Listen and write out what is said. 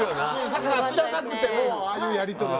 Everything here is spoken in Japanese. サッカー知らなくてもああいうやり取りは楽しい。